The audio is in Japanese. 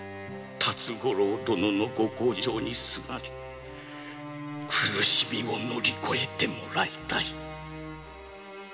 辰五郎どののご厚情にすがり苦しみを乗り越えてもらいたい」